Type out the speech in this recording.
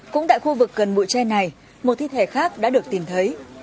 cũng tại khu vực gần bụi tre này một thi thể khác đã được tìm thấy